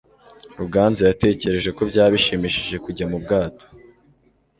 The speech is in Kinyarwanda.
Ruganzu yatekereje ko byaba bishimishije kujya mu bwato.